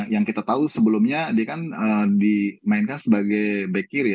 yang kita tahu sebelumnya dia kan dimainkan sebagai back kiri ya